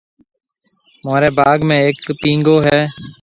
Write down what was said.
مهوريَ باگ ۾ هيَڪ پينگو هيَ۔